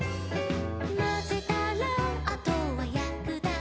「まぜたらあとはやくだけで」